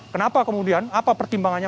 kenapa kemudian apa pertimbangannya